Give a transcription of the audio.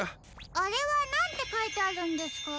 あれはなんてかいてあるんですか？